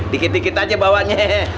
dikit dikit aja bawanya